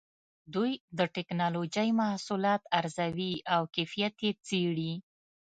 دوی د ټېکنالوجۍ محصولات ارزوي او کیفیت یې څېړي.